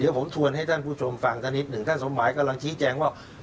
เดี๋ยวผมชวนให้ท่านผู้ชมฟังกันนิดหนึ่งท่านสมหมายกำลังชี้แจงว่า